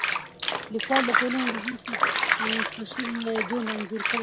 لیکوال د ټولنې د هر قشر ژوند انځور کړی دی.